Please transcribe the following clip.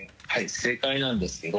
正解なんですけど。